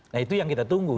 nah itu yang kita tunggu